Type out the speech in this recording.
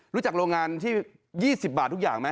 โรงงานที่๒๐บาททุกอย่างไหม